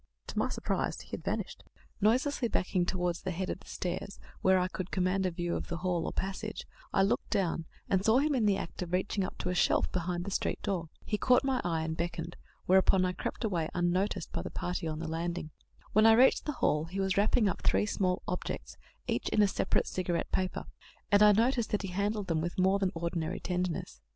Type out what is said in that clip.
To my surprise he had vanished. Noiselessly backing towards the head of the stairs, where I could command a view of the hall, or passage, I looked down, and saw him in the act of reaching up to a shelf behind the street door. He caught my eye, and beckoned, whereupon I crept away unnoticed by the party on the landing. When I reached the hall, he was wrapping up three small objects, each in a separate cigarette paper; and I noticed that he handled them with more than ordinary tenderness.